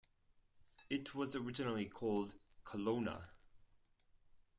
It was originally called Colona.